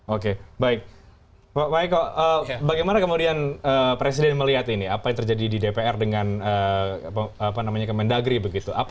oke baik pak eko bagaimana kemudian presiden melihat ini apa yang terjadi di dpr dengan kementerian negeri begitu